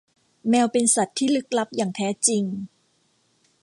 แมวเป็นสัตว์ที่ลึกลับอย่างแท้จริง